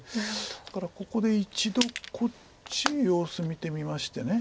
だからここで一度こっちへ様子見てみまして。